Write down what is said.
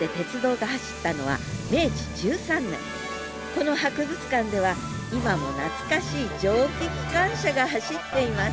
この博物館では今も懐かしい蒸気機関車が走っています